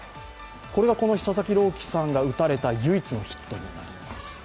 これがこの日、佐々木朗希さんが打たれた唯一のヒットになります。